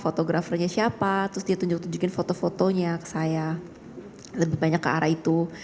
fotografernya siapa terus dia tunjuk tunjukin foto fotonya ke saya lebih banyak ke arah itu